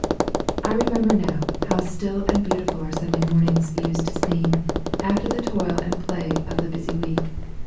I remember now how still and beautiful our Sunday mornings used to seem, after the toil and play of the busy week.